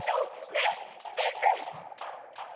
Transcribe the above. ねっ先生」。